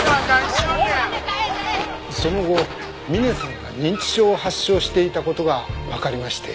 その後ミネさんが認知症を発症していた事がわかりまして。